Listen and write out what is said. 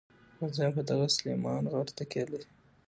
افغانستان په دغه سلیمان غر تکیه لري.